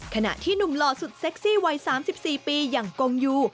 ขณะที่หนุ่มหล่อสุดเซ็กซี่วัย๓๔ปีอย่างกงยู